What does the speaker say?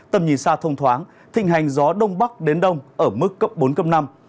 tầm nhìn xa thông thoáng thịnh hành gió đông bắc đến đông ở mức cấp bốn cấp năm